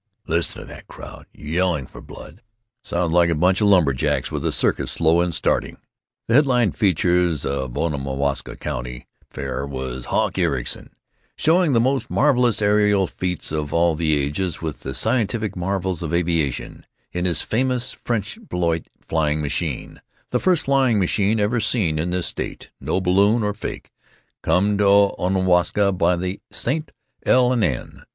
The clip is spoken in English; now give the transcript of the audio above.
"Listen to that crowd. Yelling for blood. Sounds like a bunch of lumber jacks with the circus slow in starting." The head line feature of the Onamwaska County spring fair was "Hawk Ericson, showing the most marvelous aerial feats of the ages with the scientific marvels of aviation, in his famous French Blériot flying machine, the first flying machine ever seen in this state, no balloon or fake, come to Onamwaska by the St. L. & N."